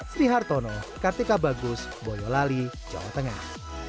sri hartono kartika bagus boyolali jawa tengah